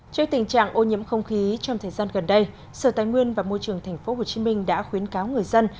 trước tình trạng ô nhiễm không khí trong thời gian gần đây sở tài nguyên và môi trường tp hcm đã khuyến cáo người dân